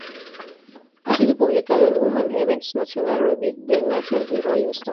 Ha sido publicado en "Human Events", "National Review", "The Nation" y "Rolling Stone".